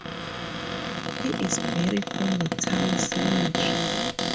He is buried in the town cemetery.